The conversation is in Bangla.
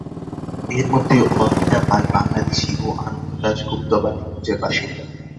এর মধ্যে অর্পিতা পাল বাংলাদেশি ও আনন্দ দাশ গুপ্ত বালিগঞ্জের বাসিন্দা।